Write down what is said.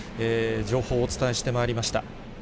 情報をお伝えしてまいりました。